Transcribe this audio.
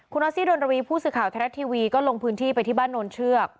คุณออสซี่ดนรวีผู้สื่อข่าวไทยรัฐทีวีก็ลงพื้นที่ไปที่บ้านโนนเชือก